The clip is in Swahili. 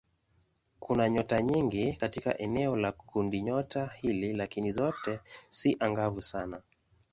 Kuna nyota nyingi katika eneo la kundinyota hili lakini zote si angavu sana.